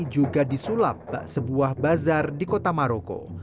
juga disulap sebuah bazar di kota maroko